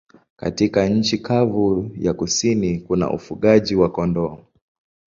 Katika nchi kavu ya kusini kuna ufugaji wa kondoo.